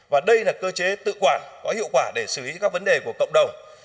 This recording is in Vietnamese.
và đây là cơ chế tự quản có hiệu quả để xử lý các vấn đề của cộng đồng